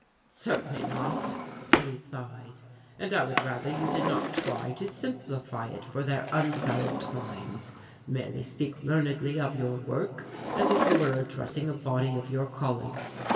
"Certainly not," he replied, "and I would rather you did not try to simplify it for their undeveloped minds, merely speak learnedly of your work as if you were addressing a body of your colleagues.